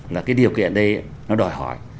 là cái điều kiện đây nó đòi hỏi